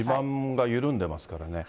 地盤が緩んでますからね。